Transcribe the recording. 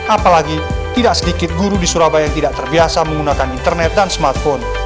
apalagi tidak sedikit guru di surabaya yang tidak terbiasa menggunakan internet dan smartphone